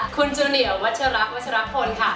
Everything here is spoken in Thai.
คุณจุเหนี่ยวัชรักวัชรับพนธ์ค่ะ